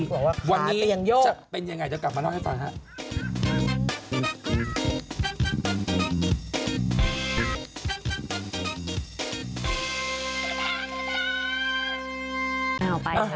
เหรอว่าขาเตียงโยกวันนี้จะเป็นอย่างไรเดี๋ยวกลับมาเล่าให้ฟังครับ